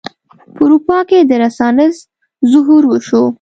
په اروپا کې د رنسانس ظهور وشو.